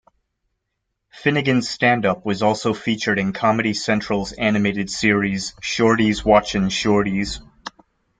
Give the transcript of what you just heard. Finnegan's stand up was also featured in Comedy Central's animated series Shorties Watchin' Shorties.